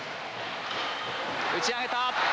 打ち上げた。